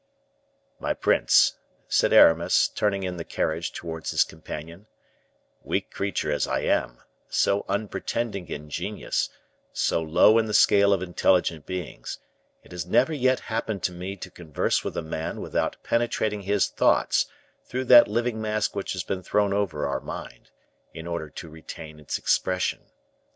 "My prince," said Aramis, turning in the carriage towards his companion, "weak creature as I am, so unpretending in genius, so low in the scale of intelligent beings, it has never yet happened to me to converse with a man without penetrating his thoughts through that living mask which has been thrown over our mind, in order to retain its expression.